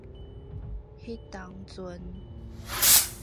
彼當陣